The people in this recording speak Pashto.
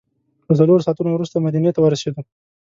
له څلورو ساعتو وروسته مدینې ته ورسېدو.